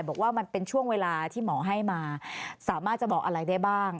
บอกว่ามันเป็นช่วงเวลาที่หมอให้มาสามารถจะบอกอะไรได้บ้าง